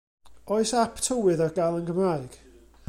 Oes ap tywydd ar gael yn Gymraeg?